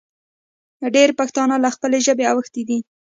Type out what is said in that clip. ډېر پښتانه له خپلې ژبې اوښتې دي